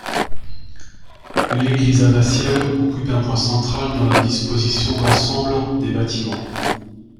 L'église abbatiale occupe un point central dans la disposition d'ensemble des bâtiments.